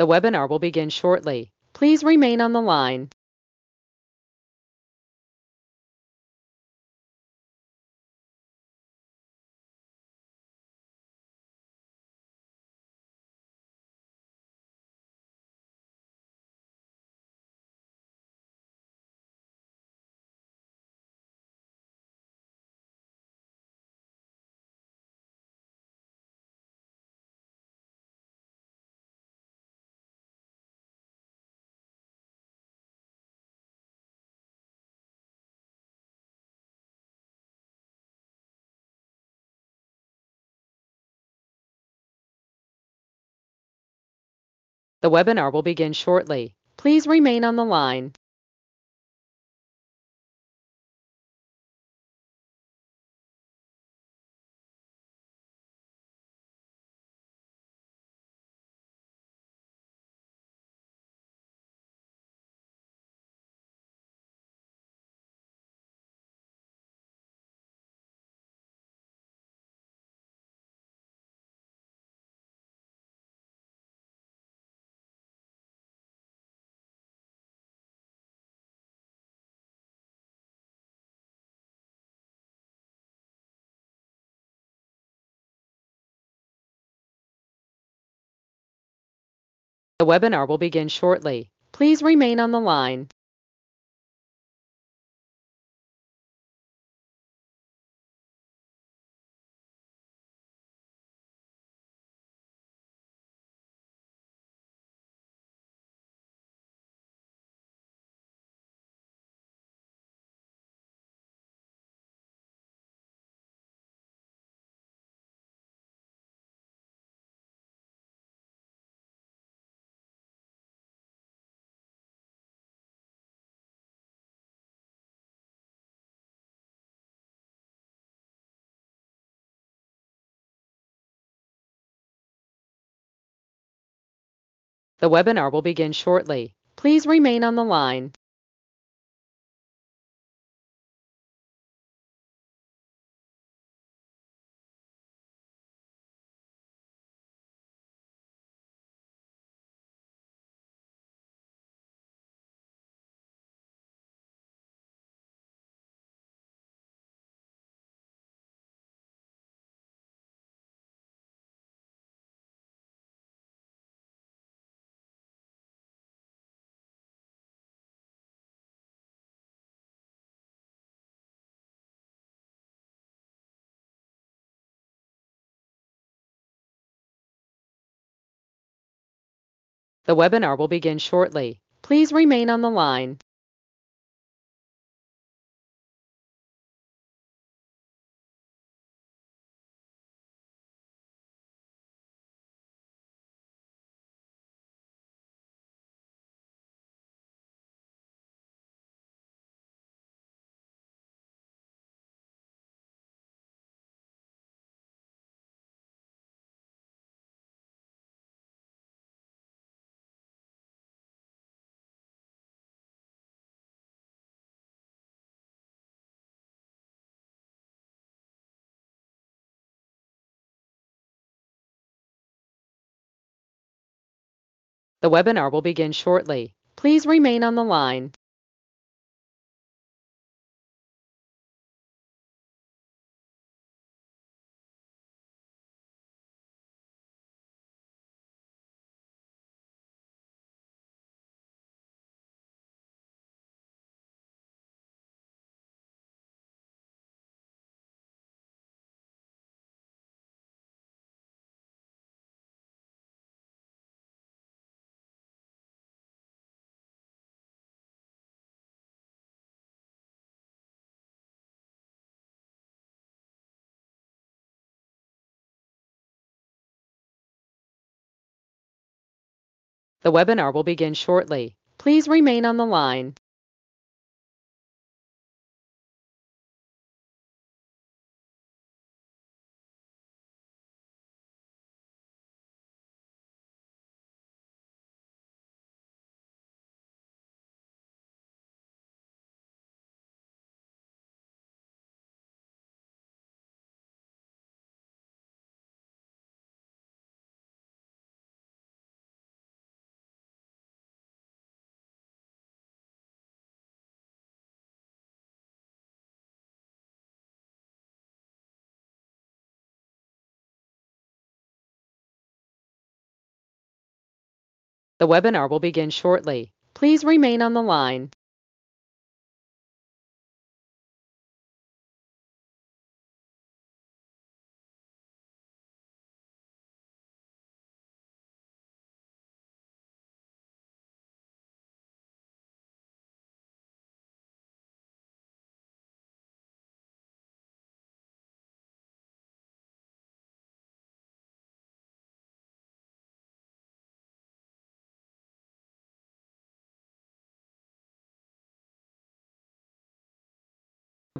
The webinar will begin shortly. Please remain on the line. The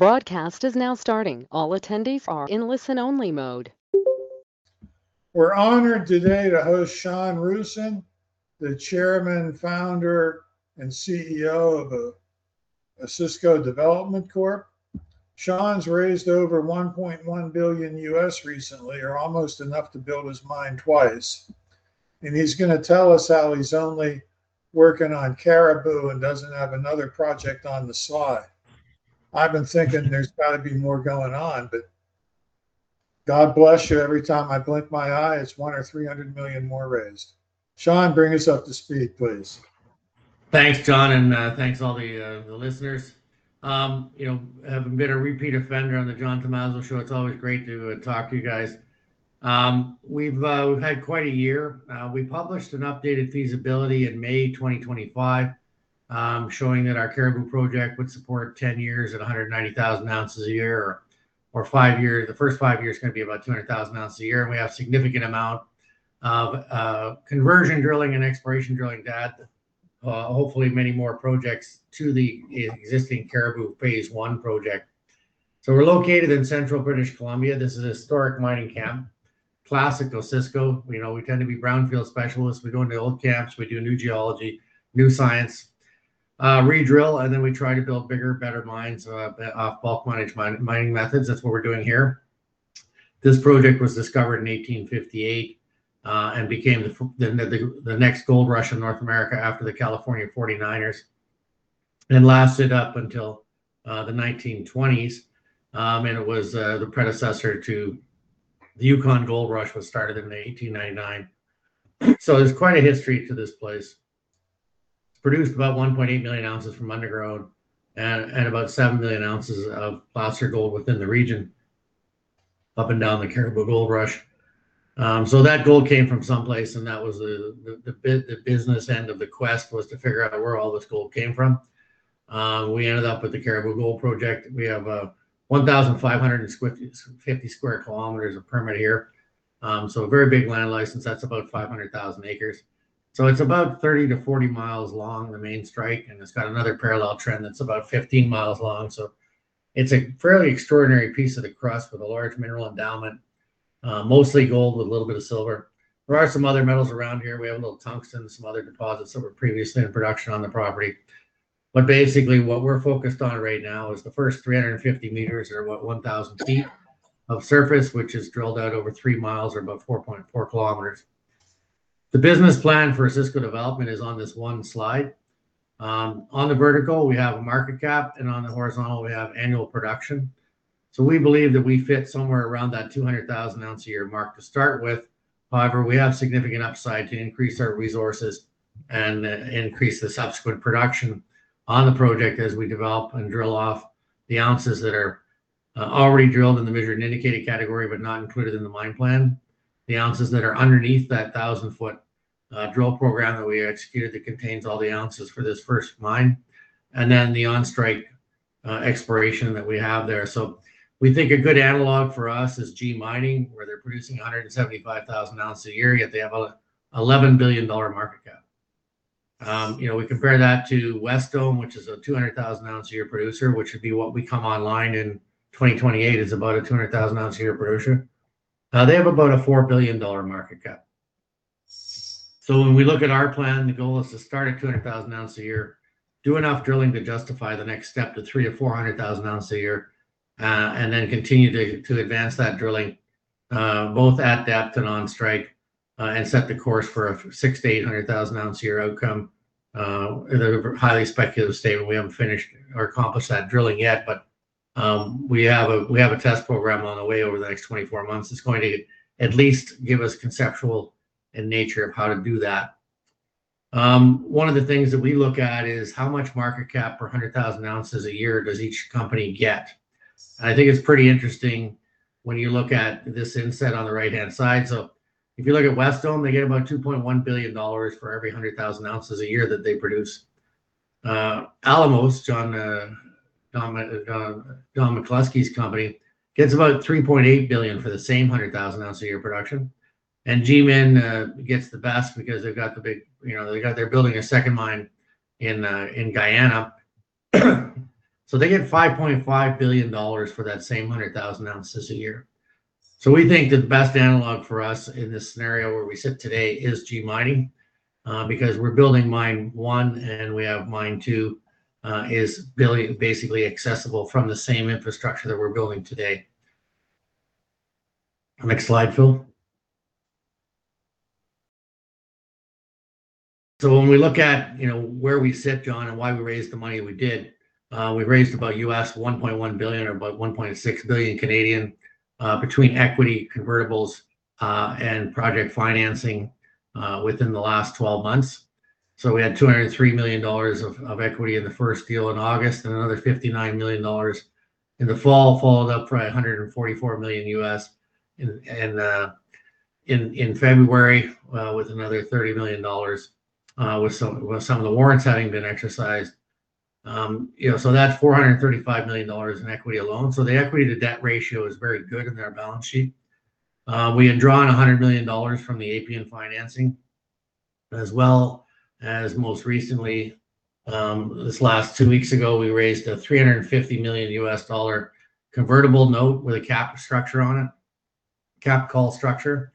broadcast is now starting. All attendees are in listen-only mode. We are honored today to host Sean Roosen, the Chairman, Founder, and CEO of Osisko Development Corp. Sean has raised over $1.1 billion recently, or almost enough to build his mine twice, and he is going to tell us how he is only working on Cariboo and does not have another project on the slide. I have been thinking there is got to be more going on. God bless you, every time I blink my eye, it is 100 million or 300 million more raised. Sean, bring us up to speed, please. Thanks, John, and thanks all the listeners. Having been a repeat offender on the John Tumazos show, it is always great to talk to you guys. We have had quite a year. We published an updated feasibility in May 2025, showing that our Cariboo Gold Project would support 10 years at 190,000 ounces a year, or the first five years are going to be about 200,000 ounces a year. We have significant amount of conversion drilling and exploration drilling that hopefully many more projects to the existing Cariboo Phase I project. We are located in central British Columbia. This is a historic mining camp. Classic Osisko. We tend to be brownfield specialists. We go into old camps. We do new geology, new science, redrill, and then we try to build bigger, better mines off bulk mining methods. That is what we are doing here. This project was discovered in 1858, became the next gold rush in North America after the California 49ers, and lasted up until the 1920s. It was the predecessor to the Yukon Gold Rush, which started in 1899. There is quite a history to this place. It has produced about 1.8 million ounces from underground and about 7 million ounces of placer gold within the region, up and down the Cariboo Gold Rush. That gold came from someplace, and that was the business end of the quest was to figure out where all this gold came from. We ended up with the Cariboo Gold Project. We have 1,550 square kilometers of permit here. A very big land license, that is about 500,000 acres. It is about 30 miles to 40 miles long, the main strike, and it has got another parallel trend that is about 15 miles long. It's a fairly extraordinary piece of the crust with a large mineral endowment. Mostly gold with a little bit of silver. There are some other metals around here. We have a little tungsten and some other deposits that were previously in production on the property. Basically, what we're focused on right now is the first 350 meters or 1,000 feet of surface, which is drilled out over 3 miles or about 4.4 kilometers. The business plan for Osisko Development is on this one slide. On the vertical, we have a market cap, and on the horizontal, we have annual production. We believe that we fit somewhere around that 200,000 ounce a year mark to start with. However, we have significant upside to increase our resources and increase the subsequent production on the project as we develop and drill off the ounces that are already drilled in the measured and indicated category, but not included in the mine plan. The ounces that are underneath that 1,000-foot drill program that we executed that contains all the ounces for this first mine, and the on strike exploration that we have there. We think a good analog for us is G Mining, where they're producing 175,000 ounces a year, yet they have a 11 billion dollar market cap. We compare that to Wesdome, which is a 200,000 ounce a year producer, which would be what we come online in 2028 is about a 200,000 ounce a year producer. They have about a 4 billion dollar market cap. When we look at our plan, the goal is to start at 200,000 ounces a year, do enough drilling to justify the next step to 300,000-400,000 ounces a year, and continue to advance that drilling, both at depth and on strike, and set the course for a 600,000-800,000 ounce a year outcome. In a highly speculative state, we haven't finished or accomplished that drilling yet. We have a test program on the way over the next 24 months that's going to at least give us conceptual in nature of how to do that. One of the things that we look at is how much market cap per 100,000 ounces a year does each company get? I think it's pretty interesting when you look at this inset on the right-hand side. If you look at Wesdome, they get about 2.1 billion dollars for every 100,000 ounces a year that they produce. Alamos, John McCluskey's company, gets about 3.8 billion for the same 100,000 ounce a year production. GMIN gets the best because they're building a second mine in Guyana. They get 5.5 billion dollars for that same 100,000 ounces a year. We think the best analog for us in this scenario where we sit today is G Mining, because we're building mine 1, and we have mine 2 is basically accessible from the same infrastructure that we're building today. Next slide, Phil. When we look at where we sit, John, and why we raised the money we did, we raised about $1.1 billion or about 1.6 billion between equity convertibles, and project financing within the last 12 months. We had 203 million dollars of equity in the first deal in August and another 59 million dollars in the fall, followed up by $144 million in February, with another 30 million dollars, with some of the warrants having been exercised. That's 435 million dollars in equity alone. The equity to debt ratio is very good in our balance sheet. We had drawn 100 million dollars from the Appian financing, as well as most recently, this last two weeks ago, we raised a $350 million convertible note with a capped call structure on it. Capped call structure,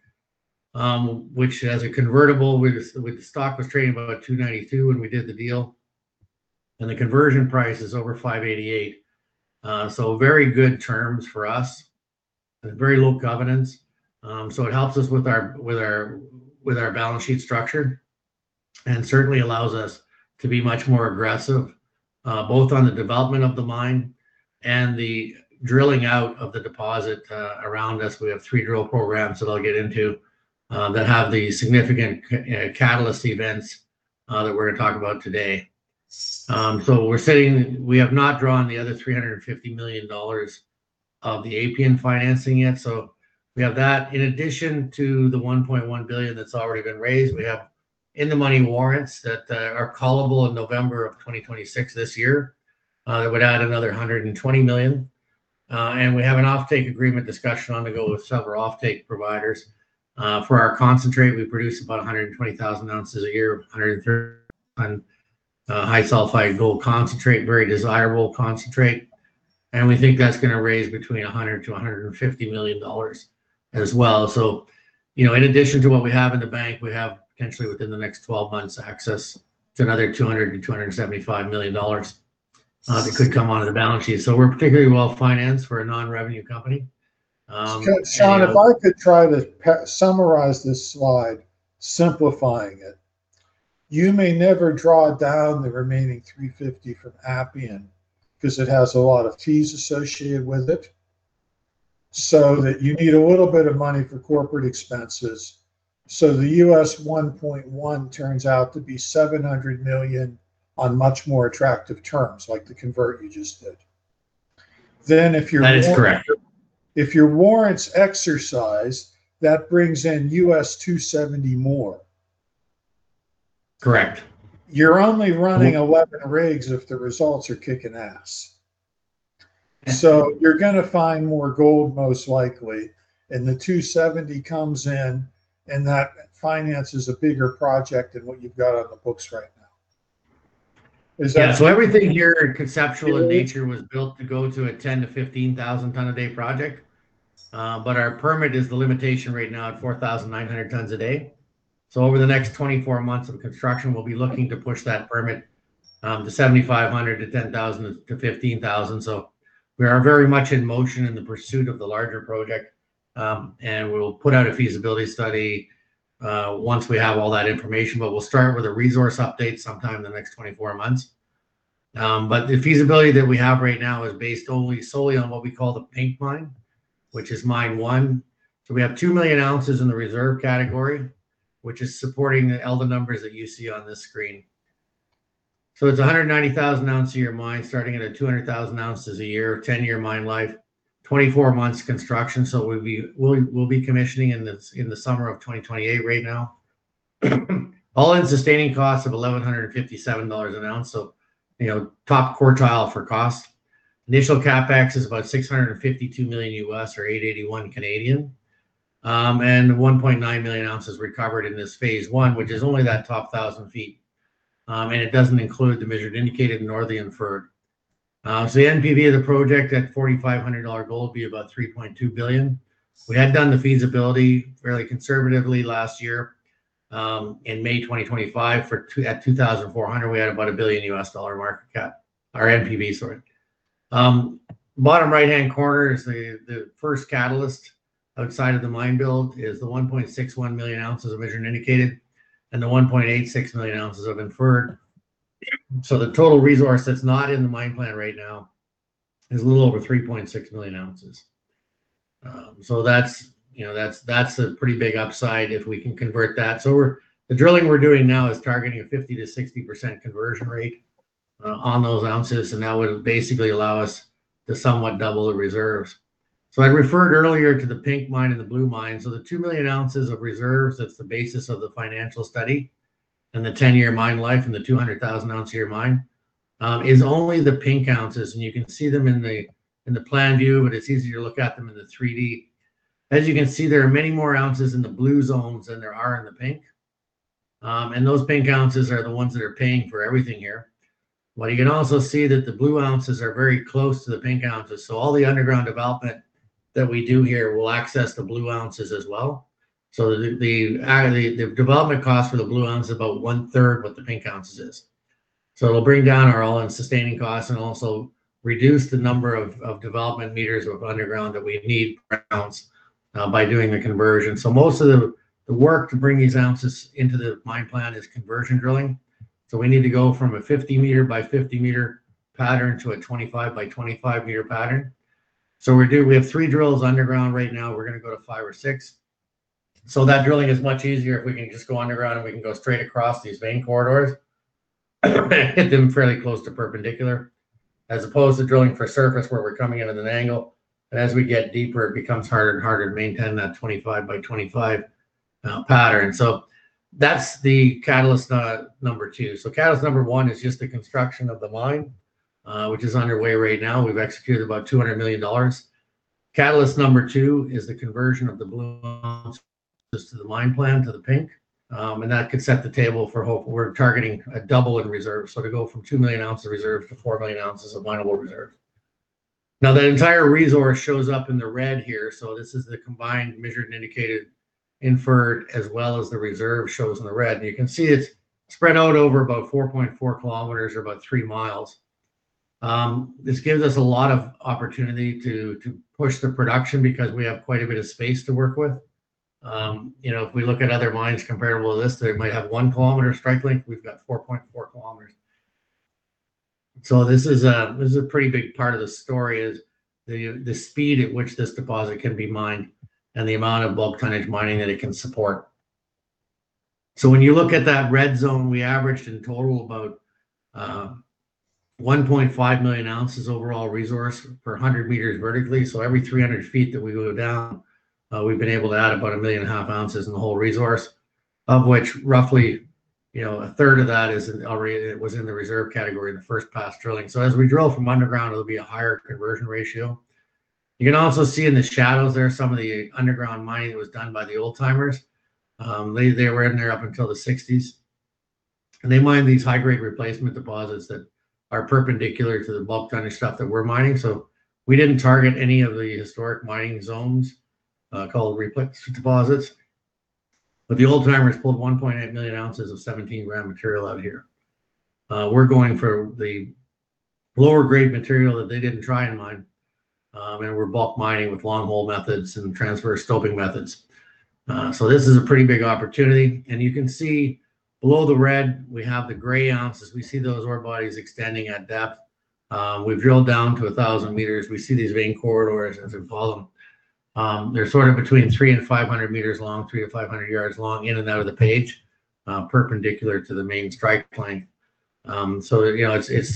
which as a convertible with the stock was trading about 2.92 when we did the deal, and the conversion price is over 5.88. Very good terms for us. Very low governance. It helps us with our balance sheet structure, and certainly allows us to be much more aggressive, both on the development of the mine and the drilling out of the deposit around us. We have three drill programs that I'll get into, that have the significant catalyst events that we're going to talk about today. We have not drawn the other 350 million dollars of the Appian financing yet. We have that in addition to the $1.1 billion that's already been raised. We have in-the-money warrants that are callable in November of 2026 this year, that would add another 120 million. We have an off-take agreement discussion on the go with several off-take providers. For our concentrate, we produce about 120,000 ounces a year of 130 high sulfide gold concentrate, very desirable concentrate. We think that's going to raise between 100 million to 150 million dollars as well. In addition to what we have in the bank, we have potentially within the next 12 months, access to another 200 million dollars to 275 million dollars that could come onto the balance sheet. We're particularly well-financed for a non-revenue company. Sean, if I could try to summarize this slide, simplifying it. You may never draw down the remaining 350 from Appian because it has a lot of fees associated with it, so that you need a little bit of money for corporate expenses. The $1.1 billion turns out to be 700 million on much more attractive terms, like the convert you just did. That is correct If your warrants exercise, that brings in $270 more. Correct. You're only running 11 rigs if the results are kicking ass. Yeah. You're going to find more gold, most likely. The $270 comes in, and that finances a bigger project than what you've got on the books right now. Everything here in conceptual in nature was built to go to a 10,000-15,000 ton a day project. Our permit is the limitation right now at 4,900 tons a day. Over the next 24 months of construction, we'll be looking to push that permit to 7,500 to 10,000-15,000. We are very much in motion in the pursuit of the larger project. We'll put out a feasibility study, once we have all that information, but we'll start with a resource update sometime in the next 24 months. The feasibility that we have right now is based only solely on what we call the Pink Mine, which is mine 1. We have 2 million ounces in the reserve category, which is supporting all the numbers that you see on this screen. It's 190,000 ounce a year mine starting at a 200,000 ounces a year, 10-year mine life, 24 months construction. We'll be commissioning in the summer of 2028 right now. All-in sustaining costs of 1,157 dollars an ounce. Top quartile for cost. Initial CapEx is about $652 million or 881 million Canadian, 1.9 million ounces recovered in this phase I, which is only that top 1,000 feet. It doesn't include the measured and indicated nor the inferred. The NPV of the project at 4,500 dollar gold would be about $3.2 billion. We had done the feasibility fairly conservatively last year, in May 2025. At 2,400, we had about a CAD 1 billion market cap, our NPV, sorry. Bottom right-hand corner is the first catalyst outside of the mine build is the 1.61 million ounces of measured and indicated, and the 1.86 million ounces of inferred. The total resource that's not in the mine plan right now is a little over 3.6 million ounces. That's a pretty big upside if we can convert that. The drilling we're doing now is targeting a 50%-60% conversion rate on those ounces, and that would basically allow us to somewhat double the reserves. I referred earlier to the Pink Mine and the Blue Mine. The 2 million ounces of reserves, that's the basis of the financial study, and the 10-year mine life and the 200,000 ounce a year mine, is only the pink ounces. You can see them in the plan view, but it's easier to look at them in the 3D. You can see, there are many more ounces in the blue zones than there are in the pink. Those pink ounces are the ones that are paying for everything here. You can also see that the blue ounces are very close to the pink ounces. All the underground development that we do here will access the blue ounces as well. The development cost for the blue ounce is about 1/3 what the pink ounces is. It'll bring down our all-in sustaining costs and also reduce the number of development meters of underground that we need per ounce, by doing the conversion. Most of the work to bring these ounces into the mine plan is conversion drilling. We need to go from a 50-meter by 50-meter pattern to a 25-meter by 25-meter pattern. We have three drills underground right now. We're going to go to five or six. Drilling is much easier if we can just go underground, and we can go straight across these vein corridors and hit them fairly close to perpendicular, as opposed to drilling for surface where we're coming in at an angle. As we get deeper, it becomes harder and harder to maintain that 25 by 25 pattern. That's the catalyst number two. Catalyst number one is just the construction of the mine, which is underway right now. We've executed about 200 million dollars. Catalyst number two is the conversion of the blue ounces. This is the mine plan to the pink. That could set the table for hope. We're targeting a double in reserve. We go from 2 million ounces of reserve to 4 million ounces of mineable reserve. That entire resource shows up in the red here. This is the combined measured and indicated inferred, as well as the reserve shows in the red. You can see it's spread out over about 4.4 kilometers or about 3 miles. This gives us a lot of opportunity to push the production, because we have quite a bit of space to work with. If we look at other mines comparable to this, they might have 1 kilometer strike length. We've got 4.4 kilometers. This is a pretty big part of the story, is the speed at which this deposit can be mined and the amount of bulk tonnage mining that it can support. When you look at that red zone, we averaged in total about 1.5 million ounces overall resource for 100 meters vertically. Every 300 feet that we go down, we've been able to add about 1.5 million ounces in the whole resource. Of which roughly a third of that was in the reserve category in the first pass drilling. As we drill from underground, it'll be a higher conversion ratio. You can also see in the shadows there some of the underground mining that was done by the old timers. They were in there up until the 1960s. They mined these high grade replacement deposits that are perpendicular to the bulk tonnage stuff that we're mining. We didn't target any of the historic mining zones, called replacement deposits. The old timers pulled 1.8 million ounces of 17 gram material out of here. We're going for the lower grade material that they didn't try and mine, and we're bulk mining with long hole methods and transverse stoping methods. This is a pretty big opportunity. You can see below the red we have the gray ounces. We see those ore bodies extending at depth. We've drilled down to 1,000 meters. We see these vein corridors as we follow them. They're sort of between 3 and 500 meters long, 3 to 500 yards long in and out of the page, perpendicular to the main strike plane. It's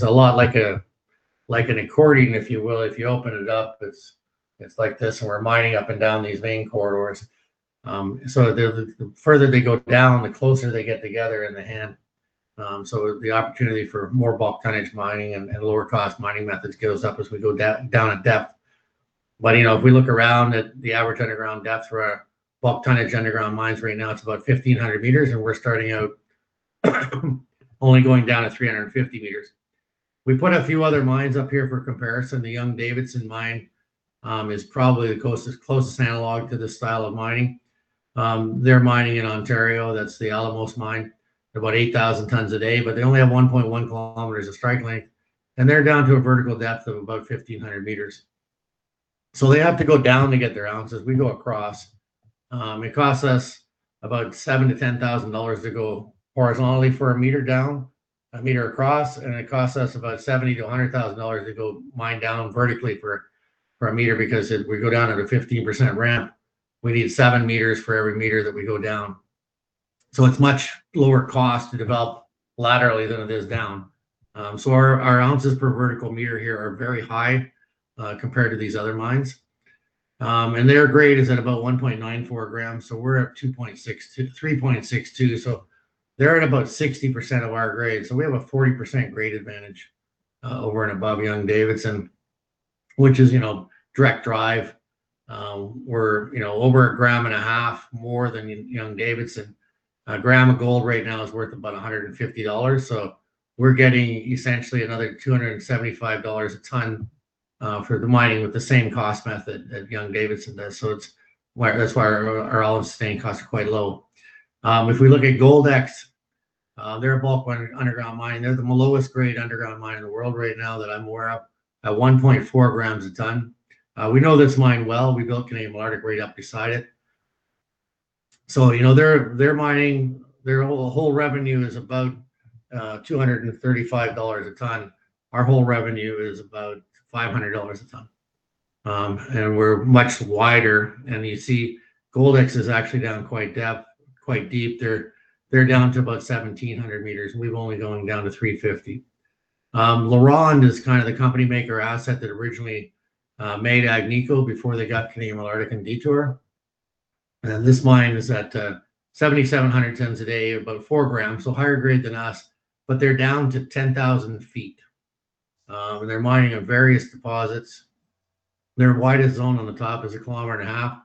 a lot like an accordion, if you will. If you open it up, it's like this. We're mining up and down these vein corridors. The further they go down, the closer they get together in the end. The opportunity for more bulk tonnage mining and lower cost mining methods goes up as we go down in depth. If we look around at the average underground depth for our bulk tonnage underground mines right now, it is about 1,500 meters, and we are starting out only going down to 350 meters. We put a few other mines up here for comparison. The Young-Davidson Mine is probably the closest analog to this style of mining. They are mining in Ontario. That is the Alamos mine. They are about 8,000 tons a day. They only have 1.1 kilometers of strike length, and they are down to a vertical depth of about 1,500 meters. They have to go down to get their ounces. We go across. It costs us about 7,000-10,000 dollars to go horizontally for a meter down, a meter across, and it costs us about 70,000-100,000 dollars to go mine down vertically for a meter. If we go down at a 15% ramp, we need 7 meters for every meter that we go down. It is much lower cost to develop laterally than it is down. Our ounces per vertical meter here are very high compared to these other mines. Their grade is at about 1.94 grams, so we are at 3.62. They are at about 60% of our grade. We have a 40% grade advantage over and above Young-Davidson, which is direct drive. We are over a gram and a half more than Young-Davidson. A gram of gold right now is worth about 150 dollars. We are getting essentially another 275 dollars a ton for the mining with the same cost method that Young-Davidson does. That is why our all-in sustaining costs are quite low. If we look at Goldex, they are a bulk underground mine. They are the lowest grade underground mine in the world right now that I am aware of at 1.4 grams a ton. We know this mine well. We built Canadian Malartic right up beside it. They are mining, their whole revenue is about 235 dollars a ton. Our whole revenue is about 500 dollars a ton. We are much wider. You see Goldex is actually down quite deep there. They are down to about 1,700 meters and we are only going down to 350. LaRonde is kind of the company maker asset that originally made Agnico before they got Canadian Malartic and Detour. This mine is at 7,700 tons a day above 4 grams. Higher grade than us, but they are down to 10,000 feet. They are mining at various deposits. Their widest zone on the top is a kilometer and a half,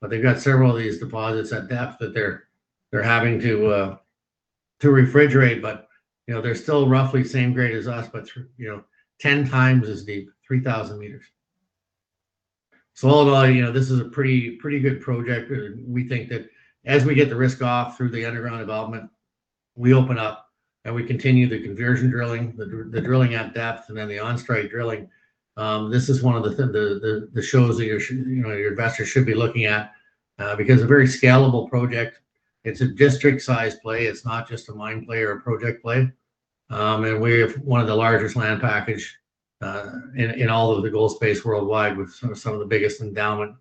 but they have got several of these deposits at depth that they are having to refrigerate. They are still roughly the same grade as us, but 10x as deep, 3,000 meters. So all in all, this is a pretty good project. We think that as we get the risk off through the underground development, we open up and we continue the conversion drilling, the drilling at depth, and then the on strike drilling. This is one of the shows that your investors should be looking at, because it is a very scalable project. It is a district size play. It is not just a mine play or a project play. We have one of the largest land package in all of the gold space worldwide with some of the biggest endowment.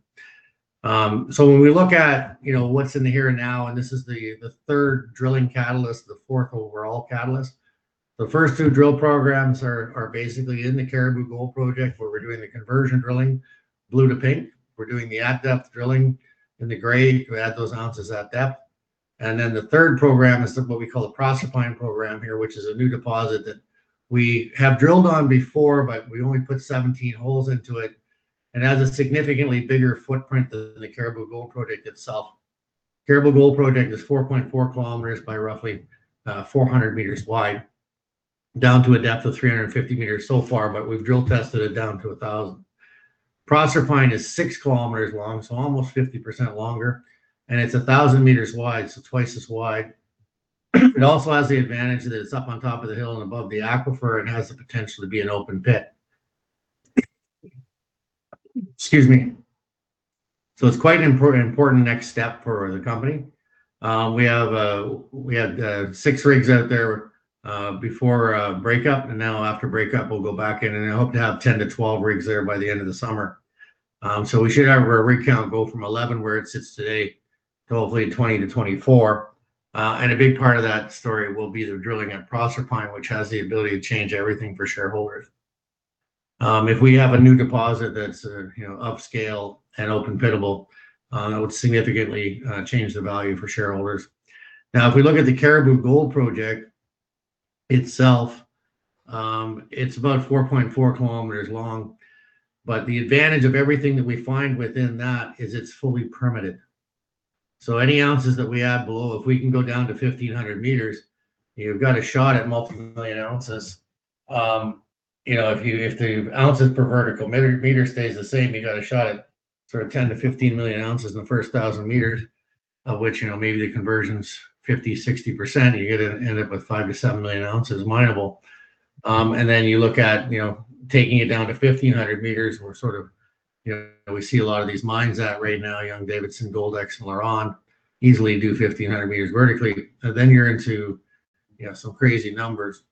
When we look at what's in the here and now, this is the third drilling catalyst, the fourth overall catalyst. The first two drill programs are basically in the Cariboo Gold Project, where we're doing the conversion drilling, blue to pink. We're doing the at depth drilling in the gray to add those ounces at depth. The third program is what we call the Proserpine program here, which is a new deposit that we have drilled on before, but we only put 17 holes into it. It has a significantly bigger footprint than the Cariboo Gold Project itself. Cariboo Gold Project is 4.4 kilometers by roughly 400 meters wide, down to a depth of 350 meters so far, but we've drill tested it down to 1,000. Proserpine is 6 kilometers long, almost 50% longer, and it's 1,000 meters wide, twice as wide. It also has the advantage that it's up on top of the hill and above the aquifer and has the potential to be an open pit. Excuse me. It's quite an important next step for the company. We had six rigs out there before break-up, now after break-up, we'll go back in and I hope to have 10 to 12 rigs there by the end of the summer. We should have our rig count go from 11, where it sits today, to hopefully 20 to 24. A big part of that story will be the drilling at Proserpine, which has the ability to change everything for shareholders. If we have a new deposit that's upscale and open pitable, that would significantly change the value for shareholders. Now, if we look at the Cariboo Gold Project itself, it's about 4.4 kilometers long. The advantage of everything that we find within that is it's fully permitted. Any ounces that we add below, if we can go down to 1,500 meters, you've got a shot at multiple million ounces. If the ounces per vertical meter stays the same, you got a shot at sort of 10 million to 15 million ounces in the first 1,000 meters, of which maybe the conversion's 50%-60%, you're going to end up with 5 million to 7 million ounces mineable. You look at taking it down to 1,500 meters, where we see a lot of these mines at right now. Young-Davidson, Goldex, LaRonde, easily do 1,500 meters vertically. You're into some crazy numbers.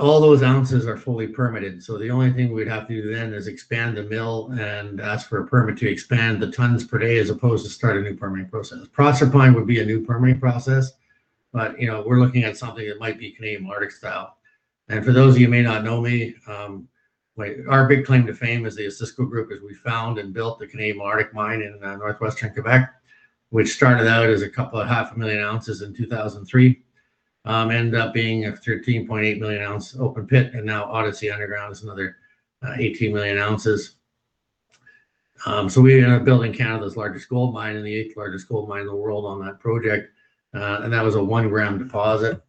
All those ounces are fully permitted, the only thing we'd have to do then is expand the mill and ask for a permit to expand the tons per day, as opposed to start a new permitting process. Proserpine would be a new permitting process, but we're looking at something that might be Canadian Malartic-style. And for those of you who may not know me, our big claim to fame as the Osisko group is we found and built the Canadian Malartic mine in northwestern Quebec, which started out as a couple of half a million ounces in 2003, ended up being a 13.8 million ounce open pit, and now Odyssey Underground is another 18 million ounces. We ended up building Canada's largest gold mine and the 8th largest gold mine in the world on that project. That was a 1-gram deposit.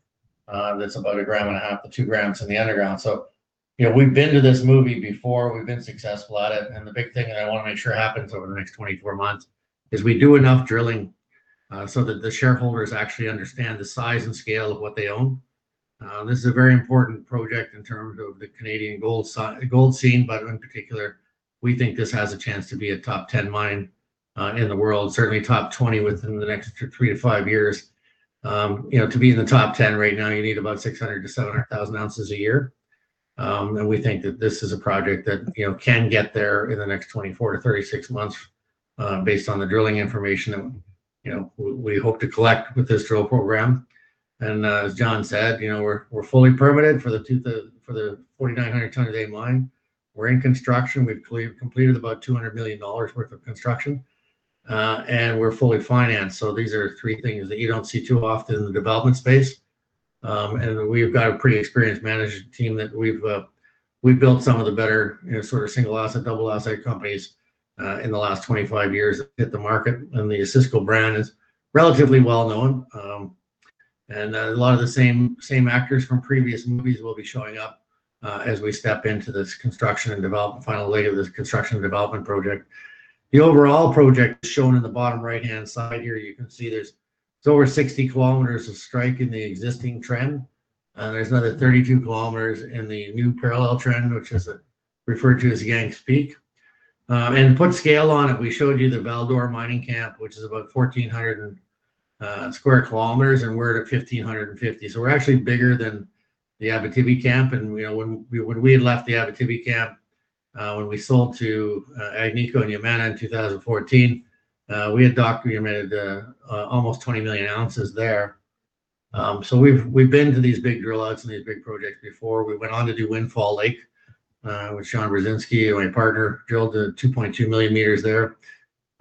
That's about a 1.5 grams to 2 grams in the underground. We've been to this movie before. We've been successful at it. The big thing that I want to make sure happens over the next 24 months is we do enough drilling so that the shareholders actually understand the size and scale of what they own. This is a very important project in terms of the Canadian gold scene, but in particular, we think this has a chance to be a top 10 mine in the world, certainly top 20 within the next three to five years. To be in the top 10 right now, you need about 600,000 to 700,000 ounces a year. We think that this is a project that can get there in the next 24 to 36 months based on the drilling information that we hope to collect with this drill program. As John said, we're fully permitted for the 4,900-ton a day mine. We're in construction. We've completed about 200 million dollars worth of construction. We're fully financed. These are three things that you don't see too often in the development space. We've got a pretty experienced management team that we've built some of the better sort of single asset, double asset companies in the last 25 years hit the market. The Osisko brand is relatively well known. A lot of the same actors from previous movies will be showing up as we step into this construction and development final leg of this construction and development project. The overall project shown in the bottom right-hand side here, you can see there's over 60 kilometers of strike in the existing trend. There's another 32 kilometers in the new parallel trend, which is referred to as Yanks Peak. To put scale on it, we showed you the Val-d'Or Mining Camp, which is about 1,400 square kilometers, and we're at 1,550. We're actually bigger than the Abitibi camp. When we had left the Abitibi camp, when we sold to Agnico and Yamana in 2014, we had documented almost 20 million ounces there. We've been to these big drill outs and these big projects before. We went on to do Windfall Lake, with John Burzynski, my partner, drilled the 2.2 million meters there.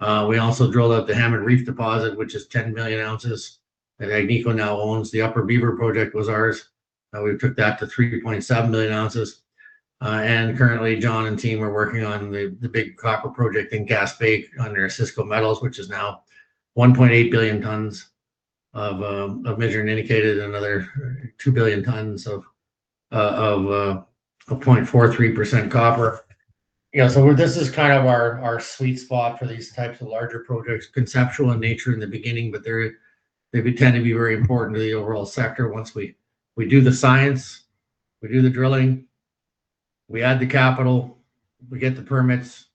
We also drilled out the Hammond Reef deposit, which is 10 million ounces that Agnico now owns. The Upper Beaver project was ours. We took that to 3.7 million ounces. Currently John and team are working on the big copper project in Gaspé under Osisko Metals, which is now 1.8 billion tons of measured and indicated, another 2 billion tons of 0.43% copper. This is kind of our sweet spot for these types of larger projects, conceptual in nature in the beginning, they tend to be very important to the overall sector once we do the science, we do the drilling, we add the capital, we get the permits,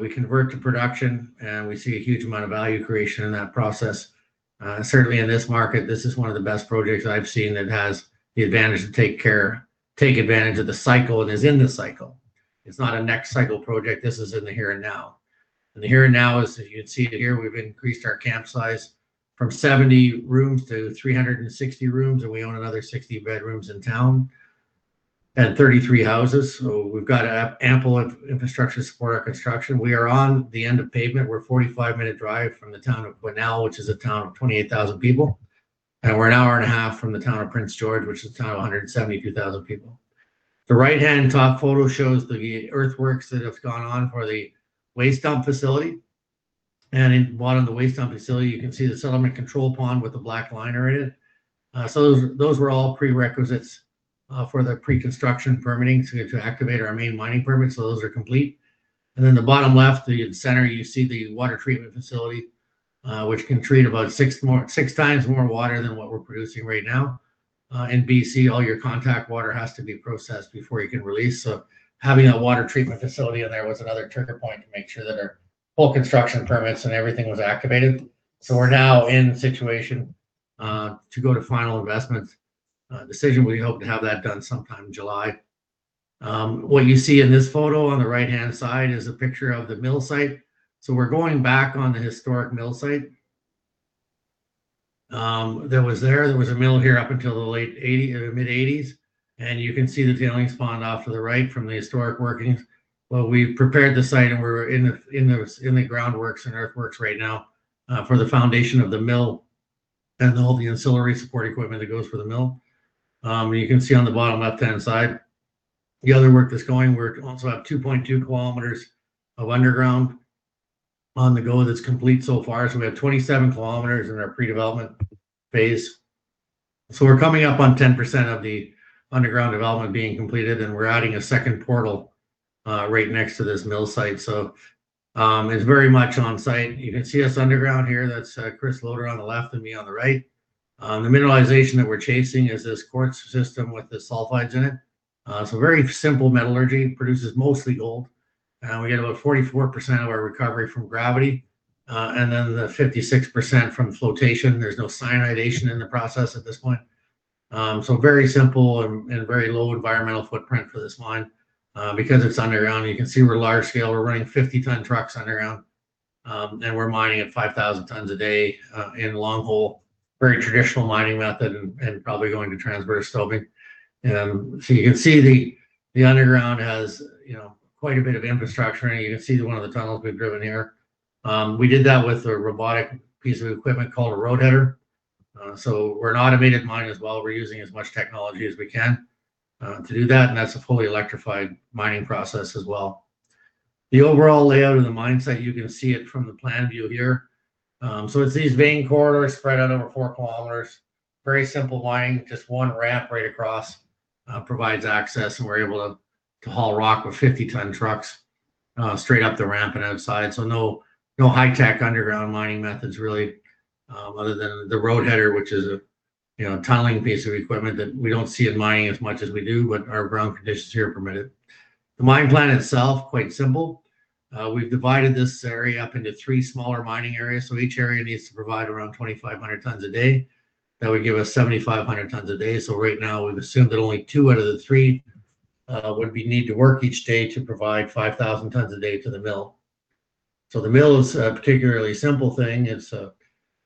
we convert to production, we see a huge amount of value creation in that process. Certainly in this market, this is one of the best projects I've seen that has the advantage to take advantage of the cycle and is in the cycle. It's not a next cycle project. This is in the here and now. The here and now is, as you can see here, we've increased our camp size from 70 rooms to 360 rooms, we own another 60 bedrooms in town. 33 houses. We've got ample infrastructure to support our construction. We are on the end of pavement. We're a 45-minute drive from the town of Quesnel, which is a town of 28,000 people, we're an hour and a half from the town of Prince George, which is a town of 172,000 people. The right-hand top photo shows the earthworks that have gone on for the waste dump facility. In the bottom of the waste dump facility, you can see the settlement control pond with the black liner in it. Those were all prerequisites for the pre-construction permitting to activate our main mining permit, so those are complete. The bottom left, the center, you see the water treatment facility, which can treat about 6x more water than what we're producing right now. In B.C. all your contact water has to be processed before you can release. Having a water treatment facility in there was another trigger point to make sure that our full construction permits and everything was activated. We're now in the situation to go to final investment decision. We hope to have that done sometime in July. What you see in this photo on the right-hand side is a picture of the mill site. We're going back on the historic mill site. There was a mill here up until the mid-'80s, you can see the tailings pond off to the right from the historic workings. We've prepared the site, we're in the groundworks and earthworks right now for the foundation of the mill and all the ancillary support equipment that goes for the mill. You can see on the bottom left-hand side the other work that's going. We're also at 2.2 kilometers of underground on the go that's complete so far. We have 27 kilometers in our pre-development phase. We're coming up on 10% of the underground development being completed, we're adding a second portal right next to this mill site. It's very much on-site. You can see us underground here. That's Chris Lodder on the left, me on the right. The mineralization that we're chasing is this quartz system with the sulfides in it. Very simple metallurgy, produces mostly gold. We get about 44% of our recovery from gravity, 56% from flotation. There's no cyanidation in the process at this point. Very simple, very low environmental footprint for this mine. Because it's underground, you can see we're large scale. We're running 50-ton trucks underground. We're mining at 5,000 tons a day in long hole, very traditional mining method, and probably going to transverse stoping. You can see the underground has quite a bit of infrastructure in it. You can see one of the tunnels we've driven here. We did that with a robotic piece of equipment called a roadheader. We're an automated mine as well. We're using as much technology as we can to do that, and that's a fully electrified mining process as well. The overall layout of the mine site, you can see it from the plan view here. It's these vein corridors spread out over four kilometers. Very simple mine, just one ramp right across provides access. We're able to haul rock with 50-ton trucks straight up the ramp and outside. No high-tech underground mining methods really, other than the roadheader, which is a tunneling piece of equipment that we don't see in mining as much as we do, but our ground conditions here permit it. The mine plan itself, quite simple. We've divided this area up into three smaller mining areas. Each area needs to provide around 2,500 tons a day. That would give us 7,500 tons a day. Right now, we've assumed that only two out of the three would be needed to work each day to provide 5,000 tons a day to the mill. The mill is a particularly simple thing.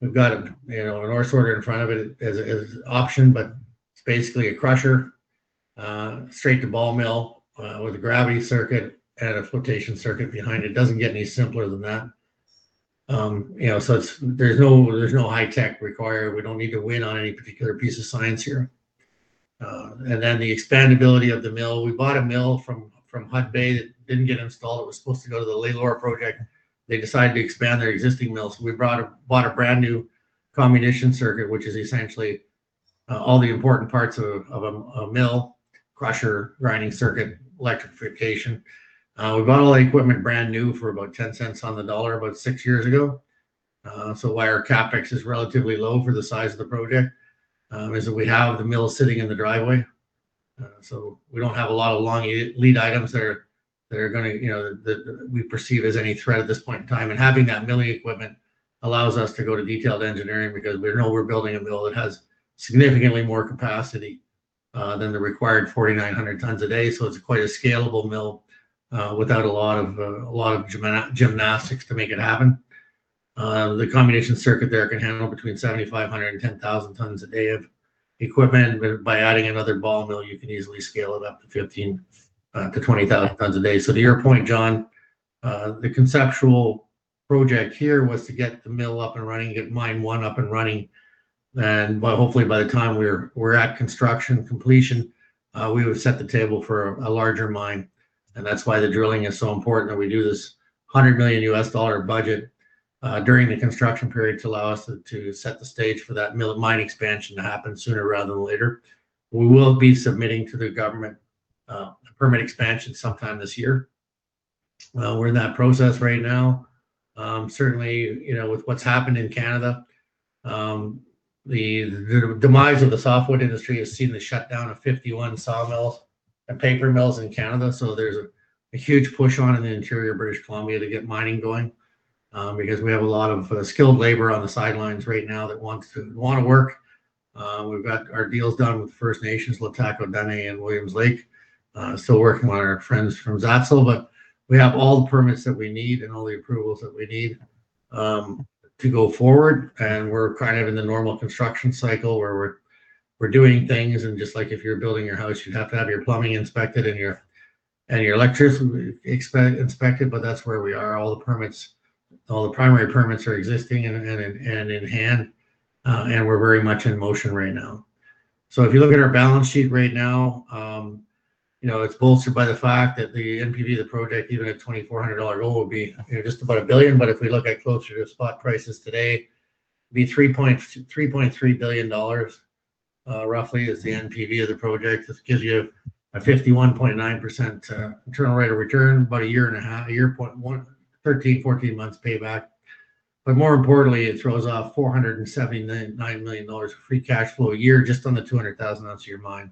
We've got an ore sorter in front of it as an option, but it's basically a crusher straight to ball mill with a gravity circuit and a flotation circuit behind it. Doesn't get any simpler than that. There's no high tech required. We don't need to win on any particular piece of science here. The expandability of the mill, we bought a mill from Hudbay that didn't get installed. It was supposed to go to the Lalor project. They decided to expand their existing mill, so we bought a brand new comminution circuit, which is essentially all the important parts of a mill, crusher, grinding circuit, electrification. We bought all the equipment brand new for about 0.10 about six years ago. Why our CapEx is relatively low for the size of the project is that we have the mill sitting in the driveway. We don't have a lot of long lead items that we perceive as any threat at this point in time. Having that milling equipment allows us to go to detailed engineering because we know we're building a mill that has significantly more capacity than the required 4,900 tons a day. It's quite a scalable mill without a lot of gymnastics to make it happen. The comminution circuit there can handle between 7,500 and 10,000 tons a day of equipment. By adding another ball mill, you can easily scale it up to 15,000 to 20,000 tons a day. To your point, John, the conceptual project here was to get the mill up and running, get mine one up and running. Hopefully by the time we're at construction completion, we would set the table for a larger mine, and that's why the drilling is so important that we do this $100 million budget during the construction period to allow us to set the stage for that mill and mine expansion to happen sooner rather than later. We will be submitting to the government a permit expansion sometime this year. We're in that process right now. Certainly, with what's happened in Canada, the demise of the softwood industry has seen the shutdown of 51 sawmills and paper mills in Canada. There's a huge push on in the interior British Columbia to get mining going, because we have a lot of skilled labor on the sidelines right now that want to work. We've got our deals done with First Nations, Lhtako Dene and Williams Lake. Still working with our friends from Xatśūll, we have all the permits that we need and all the approvals that we need to go forward. We're in the normal construction cycle where we're doing things, and just like if you're building your house, you'd have to have your plumbing inspected and your electricity inspected. That's where we are. All the primary permits are existing and in hand, and we're very much in motion right now. If you look at our balance sheet right now, it's bolstered by the fact that the NPV of the project, even at 2,400 dollar gold, would be just about 1 billion. If we look at closer to spot prices today, it'd be 3.3 billion dollars roughly is the NPV of the project. This gives you a 51.9% internal rate of return, about a year and a half, 13-14 months payback. More importantly, it throws off 479 million dollars of free cash flow a year just on the 200,000 ounce a year mine.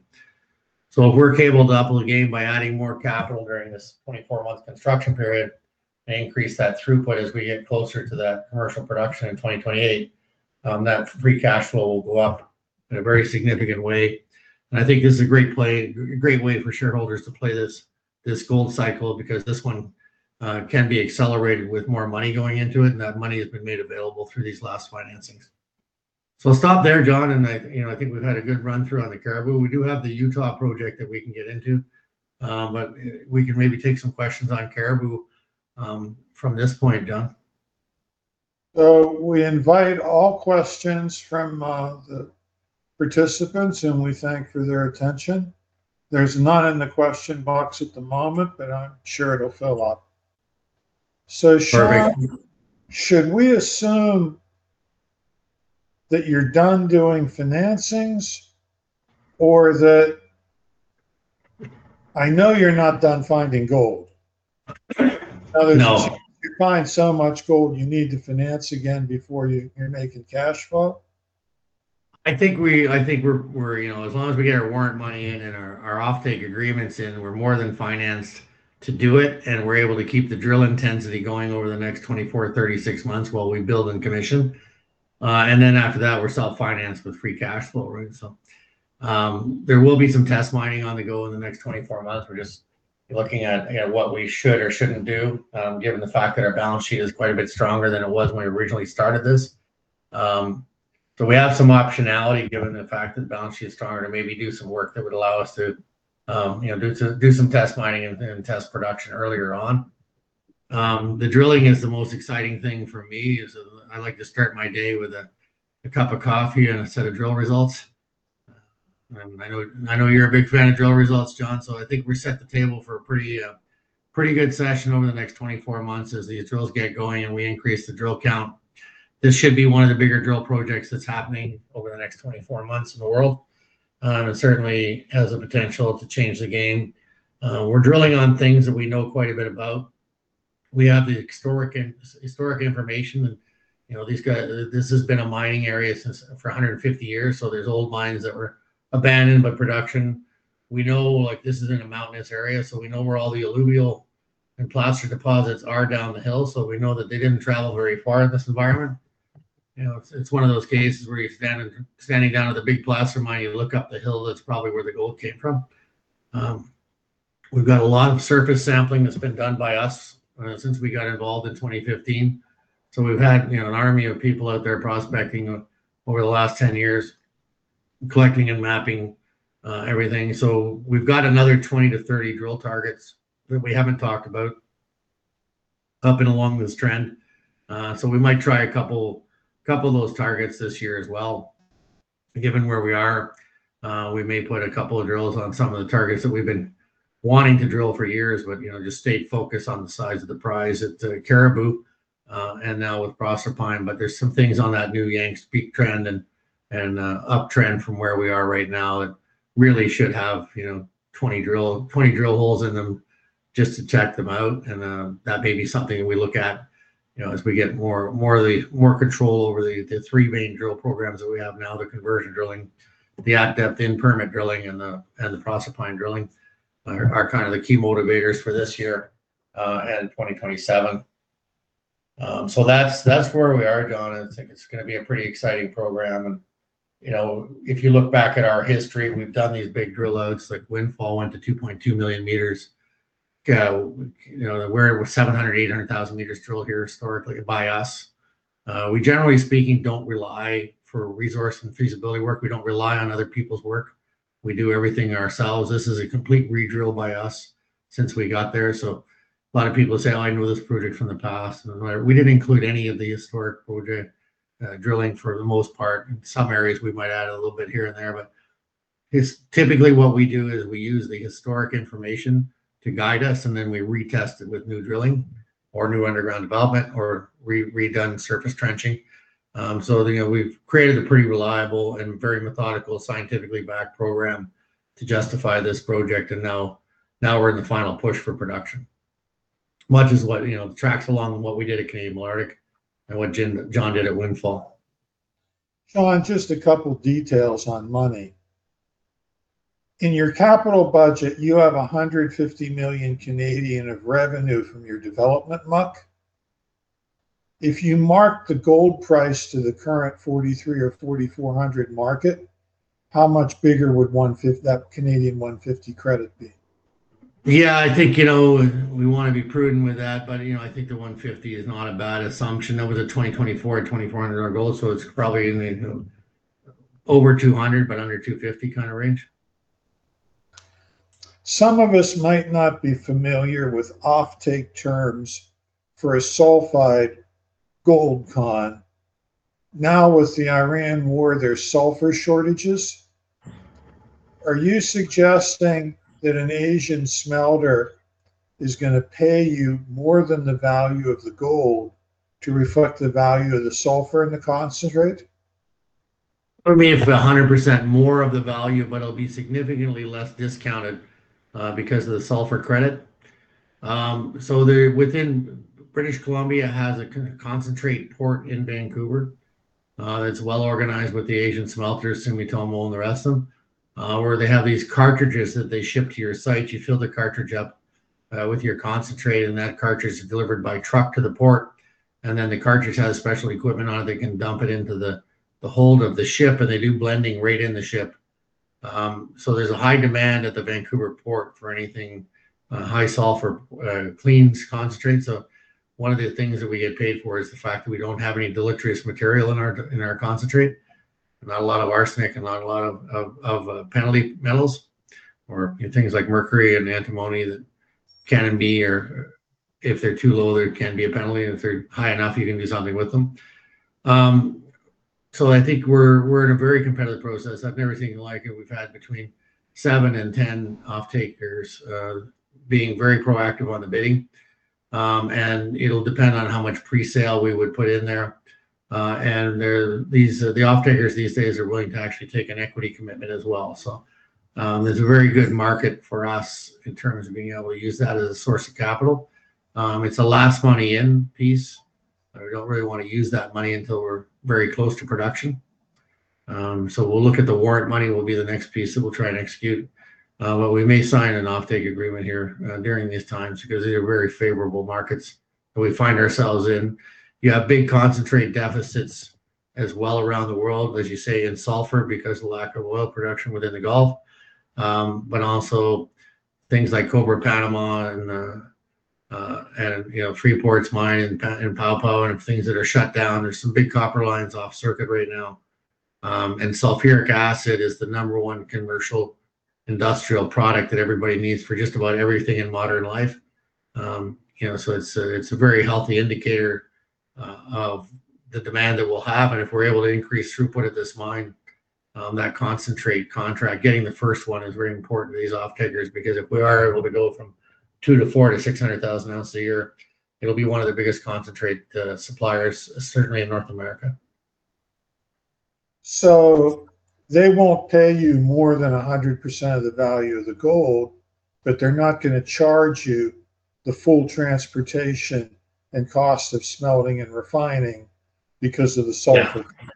If we're able to double the gain by adding more capital during this 24-month construction period and increase that throughput as we get closer to that commercial production in 2028, that free cash flow will go up in a very significant way. I think this is a great way for shareholders to play this gold cycle, because this one can be accelerated with more money going into it, and that money has been made available through these last financings. I'll stop there, John. I think we've had a good run-through on the Cariboo. We do have the Utah project that we can get into, we can maybe take some questions on Cariboo from this point, John. So, we invite all questions from the participants. We thank for their attention. There is none in the question box at the moment, I am sure it will fill up. Perfect Sean, should assume that you are done doing financings or that I know you are not done finding gold. No. In other words, you find so much gold, you need to finance again before you are making cash flow? I think as long as we get our warrant money in and our off-take agreements in, we are more than financed to do it, and we are able to keep the drill intensity going over the next 24-36 months while we build and commission. After that, we are self-financed with free cash flow. There will be some test mining on the go in the next 24 months. We are just looking at what we should or should not do, given the fact that our balance sheet is quite a bit stronger than it was when we originally started this. We have some optionality given the fact that the balance sheet is stronger to maybe do some work that would allow us to do some test mining and test production earlier on. The drilling is the most exciting thing for me is I like to start my day with a cup of coffee and a set of drill results. I know you're a big fan of drill results, John, I think we're set the table for a pretty good session over the next 24 months as the drills get going and we increase the drill count. This should be one of the bigger drill projects that's happening over the next 24 months in the world. It certainly has the potential to change the game. We're drilling on things that we know quite a bit about. We have the historic information, and this has been a mining area for 150 years, there's old mines that were abandoned by production. We know this is in a mountainous area, we know where all the alluvial and placer deposits are down the hill, we know that they didn't travel very far in this environment. It's one of those cases where you're standing down at the big placer mine, you look up the hill, that's probably where the gold came from. We've got a lot of surface sampling that's been done by us since we got involved in 2015. We've had an army of people out there prospecting over the last 10 years, collecting and mapping everything. We've got another 20-30 drill targets that we haven't talked about up and along this trend. We might try a couple of those targets this year as well. Given where we are, we may put a couple of drills on some of the targets that we've been wanting to drill for years but just stayed focused on the size of the prize at Cariboo. Now with Proserpine, there's some things on that new Yanks Peak trend and uptrend from where we are right now. It really should have 20 drill holes in them just to check them out, that may be something that we look at as we get more control over the three main drill programs that we have now. The conversion drilling, the at-depth in-permit drilling, and the Proserpine drilling are the key motivators for this year and 2027. That's where we are, John. I think it's going to be a pretty exciting program. If you look back at our history, we've done these big drill outs, like Windfall went to 2.2 million meters, where it was 700,000, 800,000 meters drilled here historically by us. We, generally speaking, don't rely for resource and feasibility work. We don't rely on other people's work. We do everything ourselves. This is a complete re-drill by us since we got there. A lot of people say, "Oh, I know this project from the past." We didn't include any of the historic project drilling for the most part. In some areas, we might add a little bit here and there, typically what we do is we use the historic information to guide us, then we retest it with new drilling or new underground development or redone surface trenching. We've created a pretty reliable and very methodical, scientifically backed program to justify this project, and now we're in the final push for production. Much is what tracks along what we did at Canadian Malartic and what John did at Windfall. Sean, just a couple of details on money. In your capital budget, you have 150 million of revenue from your development muck. If you mark the gold price to the current 4,300 or 4,400 market, how much bigger would that 150 credit be? Yeah, I think we want to be prudent with that, but I think the 150 is not a bad assumption. That was at 2024 at 2,400 our goal, so it's probably in the over 200 but under 250 kind of range. Some of us might not be familiar with of-ftake terms for a sulfide gold con. With the Iran war, there's sulfur shortages. Are you suggesting that an Asian smelter is going to pay you more than the value of the gold to reflect the value of the sulfur in the concentrate? For me, it's 100% more of the value, but it'll be significantly less discounted because of the sulfur credit. Within British Columbia has a concentrate port in Vancouver that's well organized with the Asian smelters, Sumitomo and the rest of them, where they have these cartridges that they ship to your site. You fill the cartridge up with your concentrate, that cartridge is delivered by truck to the port, then the cartridge has special equipment on it that can dump it into the hold of the ship, and they do blending right in the ship. There's a high demand at the Vancouver port for anything high sulfur cleans concentrate. One of the things that we get paid for is the fact that we don't have any deleterious material in our concentrate. Not a lot of arsenic and not a lot of penalty metals or things like mercury and antimony that can be, or if they're too low there can be a penalty, and if they're high enough, you can do something with them. I think we're in a very competitive process. I've never seen anything like it. We've had between seven and 10 off-takers being very proactive on the bidding. It'll depend on how much presale we would put in there. The off-takers these days are willing to actually take an equity commitment as well. There's a very good market for us in terms of being able to use that as a source of capital. It's a last money in piece. We don't really want to use that money until we're very close to production. We'll look at the warrant money will be the next piece that we'll try and execute. We may sign an off-take agreement here during these times because they're very favorable markets that we find ourselves in. You have big concentrate deficits as well around the world, as you say, in sulfur because of the lack of oil production within the Gulf. Also things like Cobre Panama and Freeport's mine in Papua and things that are shut down. There's some big copper lines off circuit right now. Sulfuric acid is the number one commercial industrial product that everybody needs for just about everything in modern life. It's a very healthy indicator of the demand that we'll have. If we're able to increase throughput at this mine, that concentrate contract, getting the first one is very important to these offt-akers, because if we are able to go from 200,000-400,000 to 600,000 ounce a year, it'll be one of the biggest concentrate suppliers, certainly in North America. So, they won't pay you more than 100% of the value of the gold, but they're not going to charge you the full transportation and cost of smelting and refining because of the sulfur content.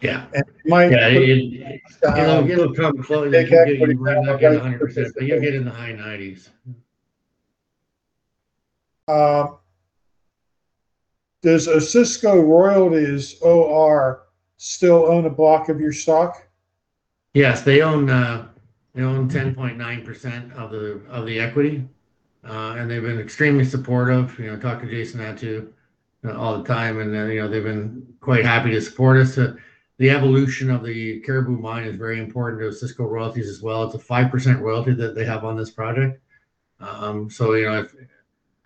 Yeah. And my- Yeah. It'll come close. They can't put it down by 100%. You'll get in the high 90s. Does Osisko Royalties OR still own a block of your stock? Yes. They own 10.9% of the equity. They've been extremely supportive. I talk to Jason about it too all the time, they've been quite happy to support us. The evolution of the Cariboo mine is very important to Osisko Royalties as well. It's a 5% royalty that they have on this project. At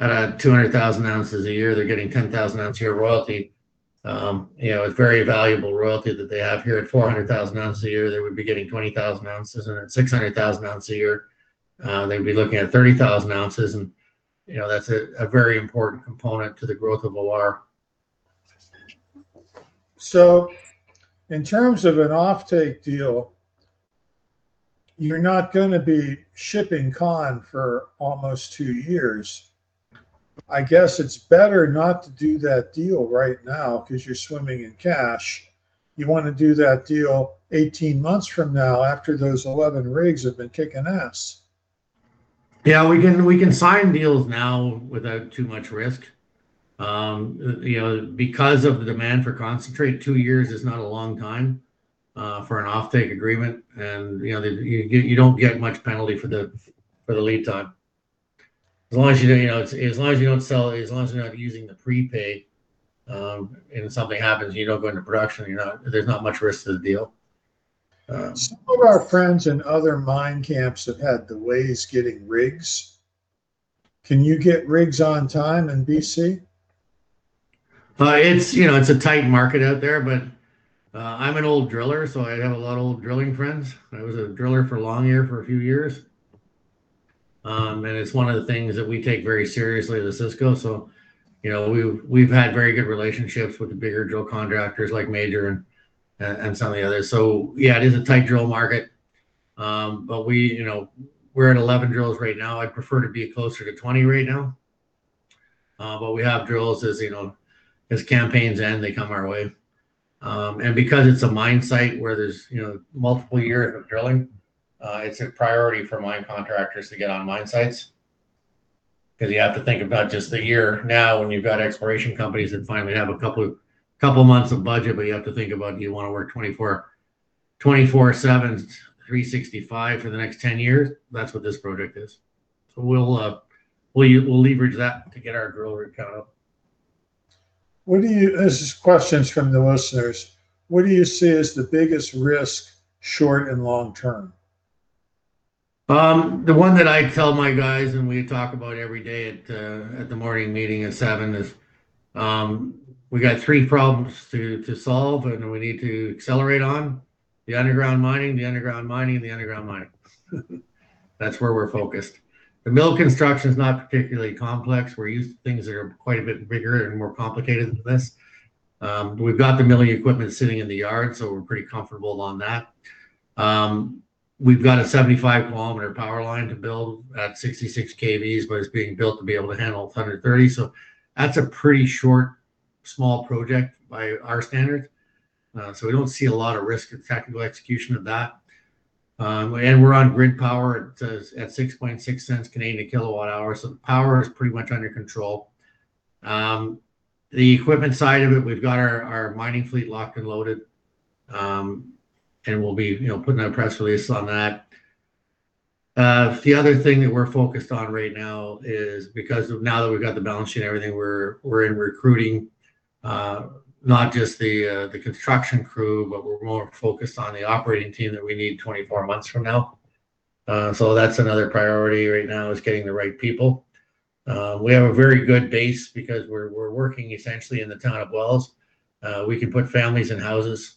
200,000 ounces a year, they're getting 10,000 ounce a year royalty. It's very valuable royalty that they have here. At 400,000 ounces a year, they would be getting 20,000 ounces. At 600,000 ounces a year, they'd be looking at 30,000 ounces. That's a very important component to the growth of OR. In terms of an off-take deal, you're not going to be shipping con for almost two years. I guess it's better not to do that deal right now because you're swimming in cash. You want to do that deal 18 months from now after those 11 rigs have been kicking ass. Yeah. We can sign deals now without too much risk. Because of the demand for concentrate, two years is not a long time for an offtake agreement. You don't get much penalty for the lead time. As long as you don't sell, as long as you're not using the prepay, and something happens, you don't go into production, there's not much risk to the deal. Some of our friends in other mine camps have had delays getting rigs. Can you get rigs on time in B.C.? It's a tight market out there. I'm an old driller, so I have a lot of old drilling friends. I was a driller for Longyear for a few years. It's one of the things that we take very seriously at Osisko. We've had very good relationships with the bigger drill contractors like Major and some of the others. It is a tight drill market. We're at 11 drills right now. I'd prefer to be closer to 20 right now. We have drills as campaigns end, they come our way. Because it's a mine site where there's multiple years of drilling, it's a priority for mine contractors to get on mine sites, because you have to think about just the year now when you've got exploration companies that finally have a couple months of budget, but you have to think about, do you want to work 24/7, 365 for the next 10 years? That's what this project is. We'll leverage that to get our drill rig count up. This is questions from the listeners. What do you see as the biggest risk, short and long term? The one that I tell my guys and we talk about every day at the morning meeting at 7:00 is, we got three problems to solve and we need to accelerate on the underground mining, the underground mining, the underground mining. That's where we're focused. The mill construction's not particularly complex. We're used to things that are quite a bit bigger and more complicated than this. We've got the milling equipment sitting in the yard, so we're pretty comfortable on that. We've got a 75-kilometer power line to build at 66 kV, but it's being built to be able to handle 230. That's a pretty short, small project by our standards. We don't see a lot of risk in technical execution of that. We're on grid power at 0.066 a kilowatt hour, so power is pretty much under control. The equipment side of it, we've got our mining fleet locked and loaded. We'll be putting out a press release on that. The other thing that we're focused on right now is because of now that we've got the balance sheet and everything, we're in recruiting, not just the construction crew, but we're more focused on the operating team that we need 24 months from now. That's another priority right now, is getting the right people. We have a very good base because we're working essentially in the town of Wells. We can put families in houses.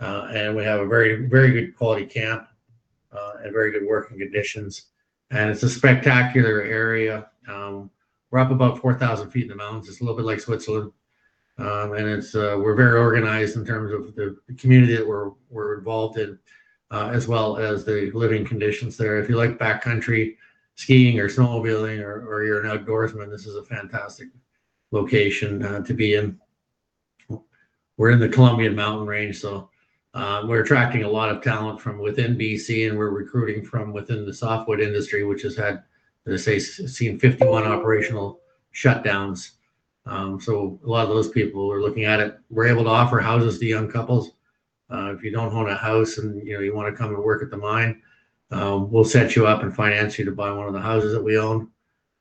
We have a very good quality camp, and very good working conditions. It's a spectacular area. We're up about 4,000 feet in the mountains. It's a little bit like Switzerland. We're very organized in terms of the community that we're involved in, as well as the living conditions there. If you like backcountry skiing or snowmobiling, or you're an outdoorsman, this is a fantastic location to be in. We're in the Columbia Mountain Range, so we're attracting a lot of talent from within B.C., and we're recruiting from within the softwood industry, which has had, as I say, seen 51 operational shutdowns. A lot of those people are looking at it. We're able to offer houses to young couples. If you don't own a house and you want to come and work at the mine, we'll set you up and finance you to buy one of the houses that we own.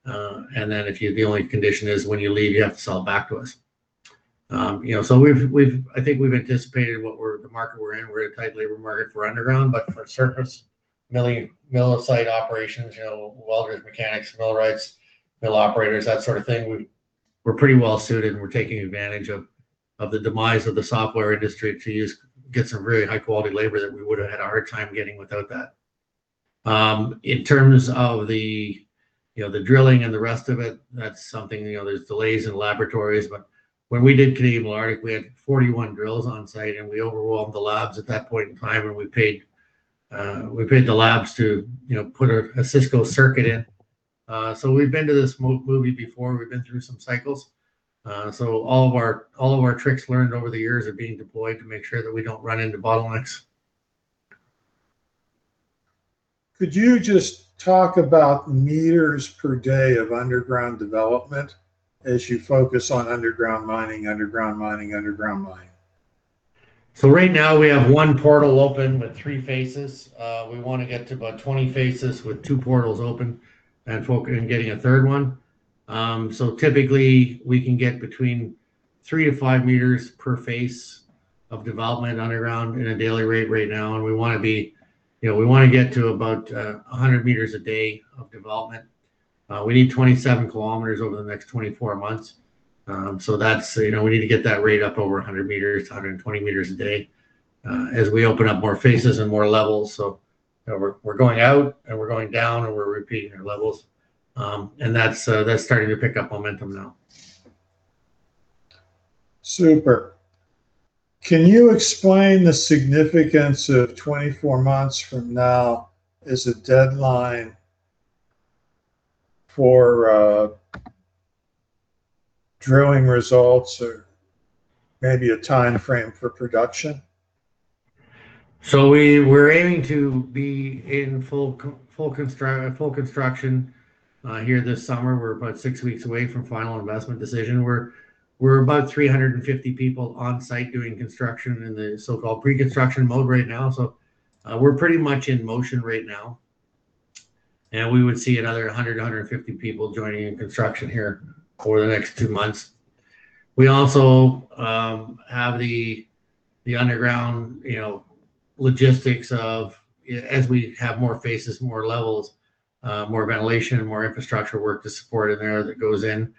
Then the only condition is when you leave, you have to sell it back to us. Yeah, so I think we've anticipated what the market we're in. We're in a tight labor market for underground, but for surface mill site operations, welders, mechanics, millwrights, mill operators, that sort of thing, we're pretty well suited, and we're taking advantage of the demise of the software industry to get some really high-quality labor that we would've had a hard time getting without that. In terms of the drilling and the rest of it, that's something, there's delays in laboratories. When we did Canadian Malartic, we had 41 drills on site, and we overwhelmed the labs at that point in time, and we paid the labs to put assay circuit in. We've been to this movie before. We've been through some cycles. All of our tricks learned over the years are being deployed to make sure that we don't run into bottlenecks. Could you just talk about meters per day of underground development as you focus on underground mining? Right now, we have one portal open with three faces. We want to get to about 20 faces with two portals open, and focused on getting a third one. Typically, we can get between 3-5 meters per face of development underground in a daily rate right now. We want to get to about 100 meters a day of development. We need 27 kilometers over the next 24 months. We need to get that rate up over 100 meters, 120 meters a day, as we open up more faces and more levels. We're going out, and we're going down, and we're repeating our levels. That's starting to pick up momentum now. Super. Can you explain the significance of 24 months from now as a deadline for drilling results or maybe a timeframe for production? We're aiming to be in full construction here this summer. We're about six weeks away from final investment decision. We're about 350 people on site doing construction in the so-called pre-construction mode right now. We're pretty much in motion right now. We would see another 100 to 150 people joining in construction here over the next two months. We also have the underground logistics of as we have more faces, more levels, more ventilation, more infrastructure work to support in there that goes in.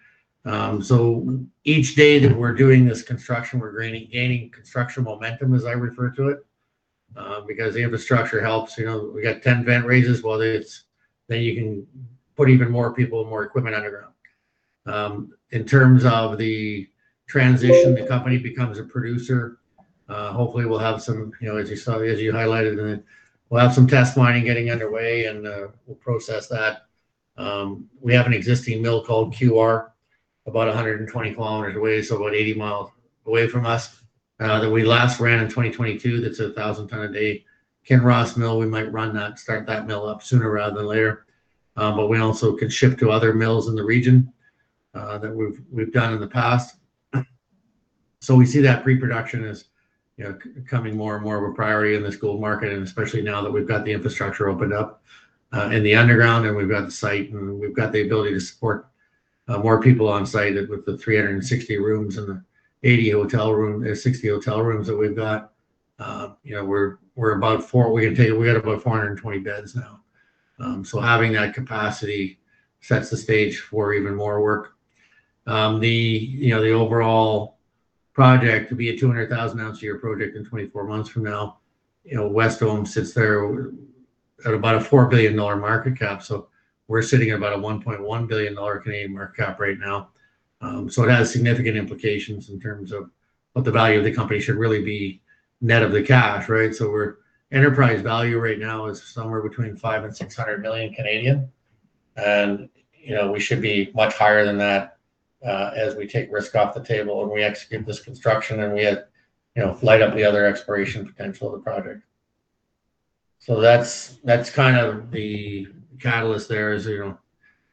Each day that we're doing this construction, we're gaining construction momentum, as I refer to it, because the infrastructure helps. We got 10 vent raises. You can put even more people and more equipment underground. In terms of the transition the company becomes a producer, hopefully we'll have some, as you highlighted in it, we'll have some test mining getting underway and we'll process that. We have an existing mill called QR about 120 km away, so about 80 miles away from us, that we last ran in 2022, that's 1,000 ton a day. Kinross Mill, we might start that mill up sooner rather than later. We also can ship to other mills in the region that we've done in the past. We see that pre-production as coming more and more of a priority in this gold market, and especially now that we've got the infrastructure opened up in the underground, and we've got the site, and we've got the ability to support more people on site with the 360 rooms and the 60 hotel rooms that we've got. We got about 420 beds now. Having that capacity sets the stage for even more work. The overall project will be a 200,000-ounce a year project in 24 months from now. Wesdome sits there at about a 4 billion dollar market cap. We're sitting at about a 1.1 billion Canadian dollars market cap right now. It has significant implications in terms of what the value of the company should really be net of the cash. Enterprise value right now is somewhere between 500 million and 600 million. We should be much higher than that as we take risk off the table and we execute this construction, and we light up the other exploration potential of the project. That's the catalyst there is it'll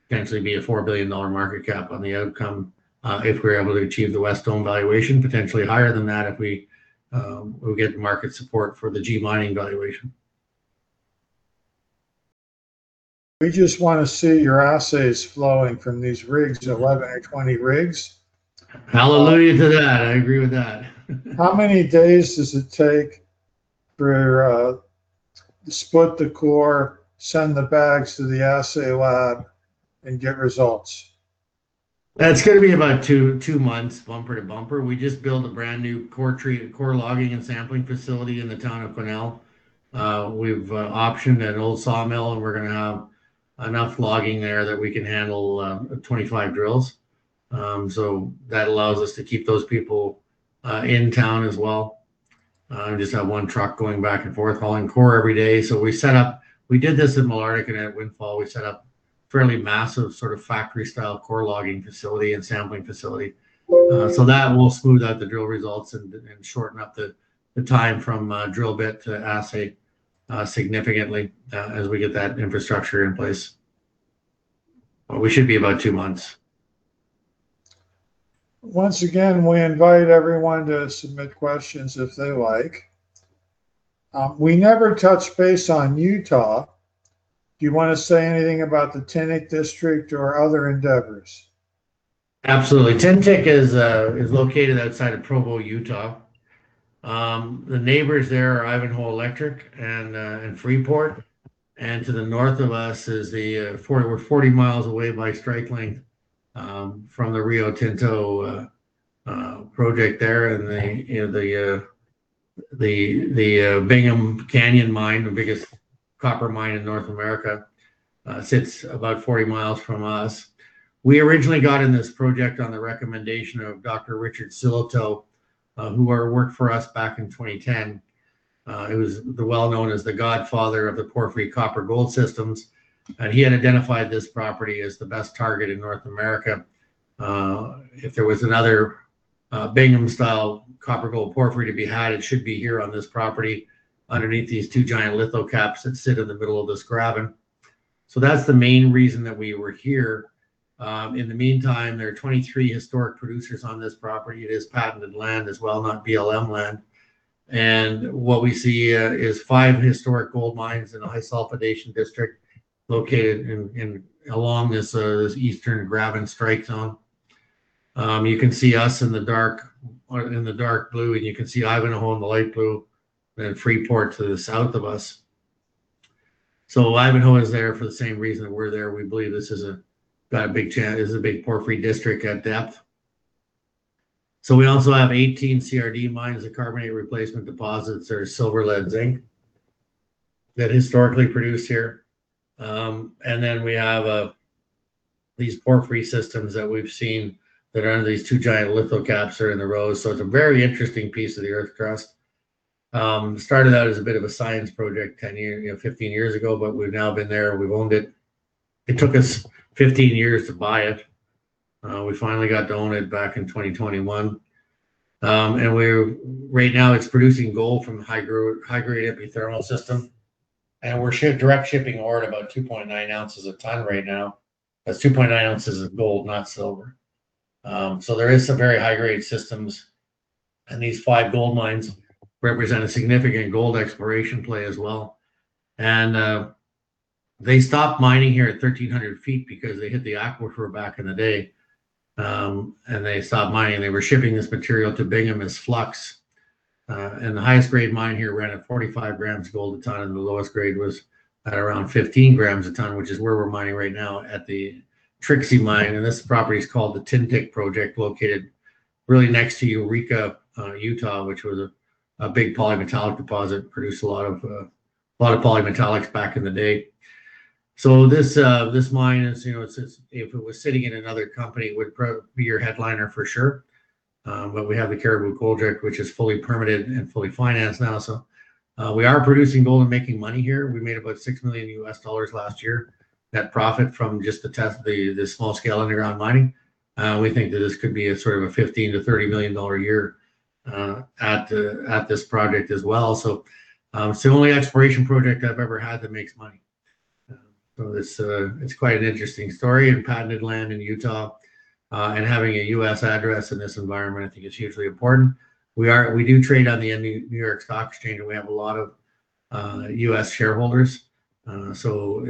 potentially be a 4 billion dollar market cap on the outcome, if we're able to achieve the Wesdome valuation. Potentially higher than that if we will get market support for the G Mining valuation. We just want to see your assays flowing from these rigs, the 11 out of 20 rigs. Hallelujah to that. I agree with that. How many days does it take to split the core, send the bags to the assay lab, and get results? It's going to be about two months bumper to bumper. We just built a brand new core logging and sampling facility in the town of Quesnel. We've optioned an old sawmill, and we're going to have enough logging there that we can handle 25 drills. That allows us to keep those people in town as well, and just have one truck going back and forth hauling core every day. We did this in Malartic and at Windfall. We set up fairly massive sort of factory style core logging facility and sampling facility. That will smooth out the drill results and shorten up the time from drill bit to assay significantly as we get that infrastructure in place. We should be about two months. Once again, we invite everyone to submit questions if they like. We never touched base on Utah. Do you want to say anything about the Tintic district or other endeavors? Absolutely. Tintic is located outside of Provo, Utah. The neighbors there are Ivanhoe Electric and Freeport. To the north of us, we're 40 miles away by strike length from the Rio Tinto project there. The Bingham Canyon Mine, the biggest copper mine in North America, sits about 40 miles from us. We originally got in this project on the recommendation of Dr. Richard Sillitoe, who worked for us back in 2010, who was the well-known as the godfather of the porphyry copper gold systems. He had identified this property as the best target in North America. If there was another Bingham style copper gold porphyry to be had, it should be here on this property underneath these two giant lithocaps that sit in the middle of this graben. That's the main reason that we were here. In the meantime, there are 23 historic producers on this property. It is patented land as well, not BLM land. What we see is five historic gold mines in a high sulfidation district located along this eastern graben strike zone. You can see us in the dark blue, and you can see Ivanhoe in the light blue, then Freeport to the south of us. So Ivanhoe is there for the same reason that we're there. We believe this has a big porphyry district at depth. We also have 18 CRD mines, the carbonate replacement deposits that are silver, lead, zinc, that historically produced here. We have these porphyry systems that we've seen that are under these two giant lithocaps that are in the rose. It's a very interesting piece of the earth crust. Started out as a bit of a science project 15 years ago, but we've now been there. We've owned it. It took us 15 years to buy it. We finally got to own it back in 2021. Right now it's producing gold from high-grade epithermal system, and we're direct shipping ore at about 2.9 ounces a ton right now. That's 2.9 ounces of gold, not silver. There is some very high-grade systems, and these five gold mines represent a significant gold exploration play as well. They stopped mining here at 1,300 feet because they hit the aquifer back in the day. They stopped mining. They were shipping this material to Bingham as flux. The highest grade mine here ran at 45 grams of gold a ton, and the lowest grade was at around 15 grams a ton, which is where we're mining right now at the Trixie Mine. This property is called the Tintic Project, located really next to Eureka, Utah, which was a big polymetallic deposit, produced a lot of polymetallics back in the day. This mine, if it was sitting in another company, it would be your headliner for sure. We have the Cariboo Gold Project, which is fully permitted and fully financed now. We are producing gold and making money here. We made about $6 million last year. Net profit from just the small scale underground mining. We think that this could be a sort of a $15 million-$30 million a year at this project as well. It's the only exploration project I've ever had that makes money. It's quite an interesting story in patented land in Utah. Having a U.S. address in this environment I think is hugely important. We do trade on the New York Stock Exchange, and we have a lot of U.S. shareholders. I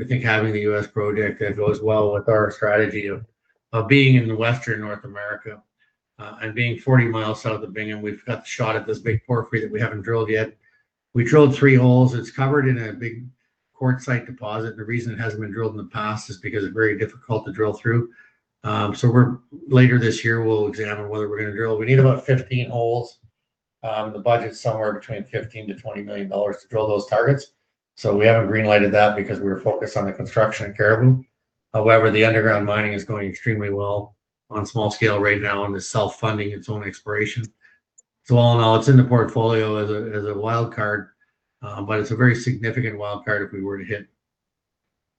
think having the U.S. project goes well with our strategy of being in the Western North America, and being 40 miles south of the Bingham, we've got the shot at this big porphyry that we haven't drilled yet. We drilled three holes. It's covered in a big quartzite deposit, and the reason it hasn't been drilled in the past is because it's very difficult to drill through. Later this year, we'll examine whether we're going to drill. We need about 15 holes. The budget's somewhere between $15 million-$20 million to drill those targets. We haven't green-lighted that because we're focused on the construction at Cariboo. However, the underground mining is going extremely well on small scale right now, and is self-funding its own exploration. All in all, it's in the portfolio as a wild card. It's a very significant wild card if we were to hit.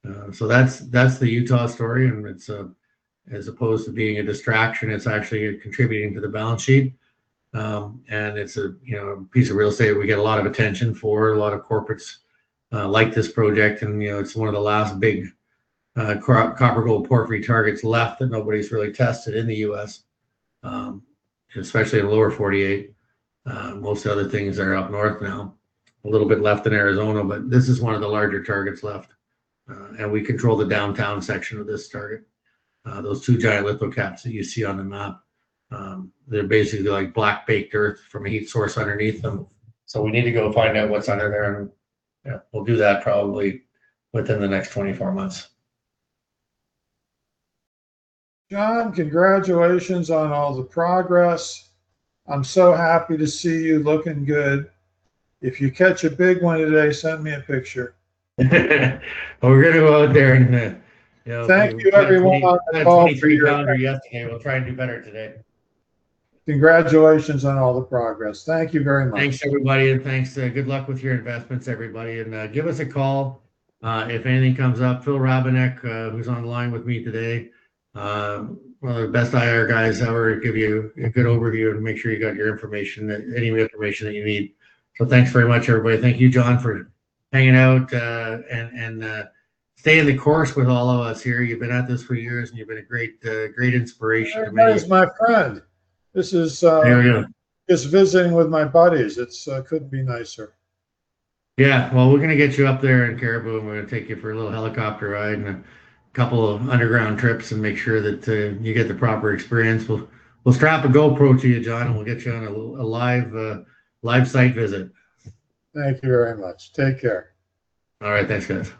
That's the Utah story, and as opposed to being a distraction, it's actually contributing to the balance sheet. It's a piece of real estate we get a lot of attention for, a lot of corporates like this project, and it's one of the last big copper gold porphyry targets left that nobody's really tested in the U.S. Especially in the lower 48. Most of the other things are up north now. A little bit left in Arizona, but this is one of the larger targets left. We control the downtown section of this target. Those two giant lithocaps that you see on the map, they're basically like black baked earth from a heat source underneath them. We need to go find out what's under there, and we'll do that probably within the next 24 months. Sean, congratulations on all the progress. I'm so happy to see you looking good. If you catch a big one today, send me a picture. We're going to go out there. Thank you everyone for the call. We got a 23 pounder yesterday. We'll try and do better today. Congratulations on all the progress. Thank you very much. Thanks everybody. Thanks and good luck with your investments, everybody. Give us a call if anything comes up. Phil Rabenok, who is online with me today, one of the best IR guys ever. He will give you a good overview and make sure you got any information that you need. Thanks very much, everybody. Thank you, John, for hanging out, and staying the course with all of us here. You have been at this for years, and you have been a great inspiration to me. Everybody's my friend. Very good. This is visiting with my buddies. It couldn't be nicer. Yeah. Well, we're going to get you up there in Cariboo, and we're going to take you for a little helicopter ride and a couple of underground trips and make sure that you get the proper experience. We'll strap a GoPro to you, John, and we'll get you on a live site visit. Thank you very much. Take care. All right. Thanks guys.